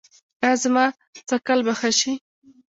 ایا زما څکل به ښه شي؟